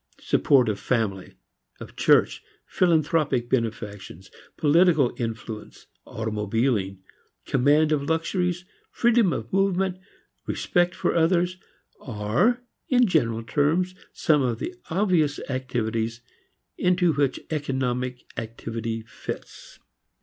Support of family, of church, philanthropic benefactions, political influence, automobiling, command of luxuries, freedom of movement, respect from others, are in general terms some of the obvious activities into which economic activity fits.